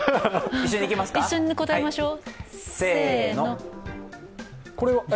一緒に答えましょう。